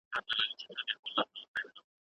د پيغمبر لاره د نجات لاره ده.